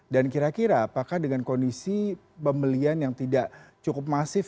dan kira kira apakah dengan kondisi pembelian yang tidak cukup masif